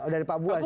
dari pak buas ya